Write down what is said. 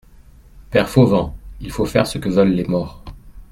Père Fauvent, il faut faire ce que veulent les morts.